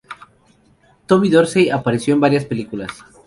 Tommy Dorsey apareció en varias películas.